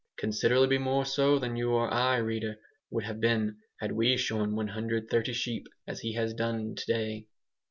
Considerably more so than you or I, reader, would have been, had we shorn 130 sheep, as he has done to day.